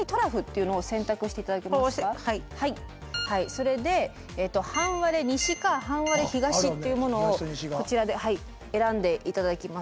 それで半割れ西か半割れ東っていうものをこちらで選んで頂きます。